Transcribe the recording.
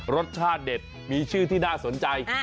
รสชาติเด็ดมีชื่อที่น่าสนใจ